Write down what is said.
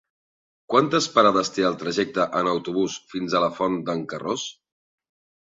Quantes parades té el trajecte en autobús fins a la Font d'en Carròs?